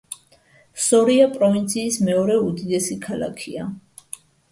სორია პროვინციის მეორე უდიდესი ქალაქია.